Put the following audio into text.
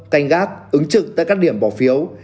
canh gác ứng trực tại các điểm bầu phiếu